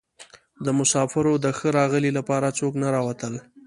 د مسافرو د ښه راغلي لپاره څوک نه راوتل.